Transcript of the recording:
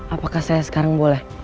apakah saya sekarang boleh